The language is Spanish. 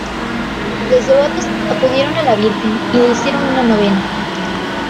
Los devotos acudieron a la Virgen y le hicieron una novena.